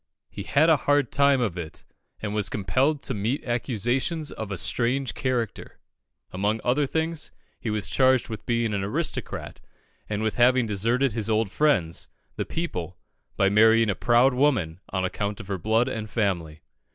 "He had a hard time of it, and was compelled to meet accusations of a strange character. Among other things, he was charged with being an aristocrat, and with having deserted his old friends, the people, by marrying a proud woman on account of her blood and family.